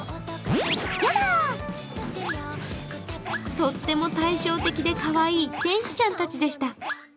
とっても対照的でかわいい天使ちゃんたちでした。